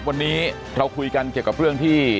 วันนี้เราคุยกันเกี่ยวกับเรื่องที่